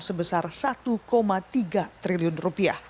sebesar satu tiga miliar